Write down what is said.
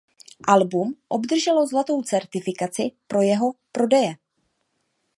Album obdrželo zlatou certifikaci pro jeho prodeje.